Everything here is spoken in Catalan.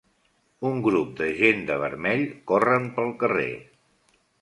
Un grup de gent de vermell corren pel carrer